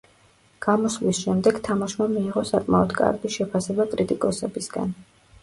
გამოსვლის შემდეგ თამაშმა მიიღო საკმაოდ კარგი შეფასება კრიტიკოსებისგან.